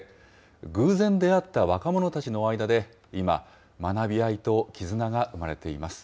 偶然出会った若者たちの間で、今、学び合いと絆が生まれています。